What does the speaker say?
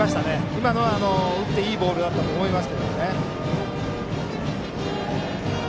今のは打っていいボールだったと思います。